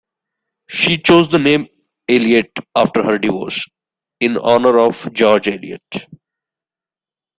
She chose the name Eliot after her divorce, in honor of George Eliot.